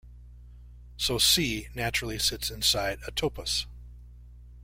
So "C" naturally sits inside a topos.